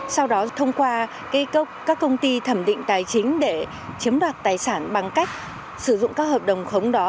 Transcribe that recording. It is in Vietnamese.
sau đó thông qua các công ty thẩm định tài chính để chiếm đoạt tài sản bằng cách sử dụng các hợp đồng khống đó